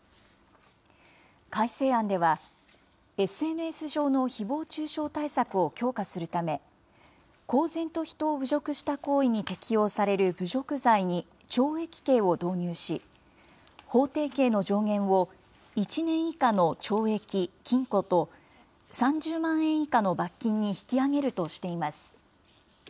改正案では、ＳＮＳ上のひぼう中傷対策を強化するため、公然と人を侮辱した行為に適用される侮辱罪に懲役刑を導入し、法定刑の上限を１年以下の懲役・禁錮と、３０万円以下の罰金に引き上げるとしています。